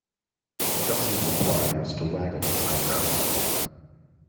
Gussie's reply was to waggle his eyebrows.